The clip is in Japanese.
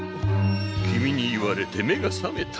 君に言われて目が覚めた。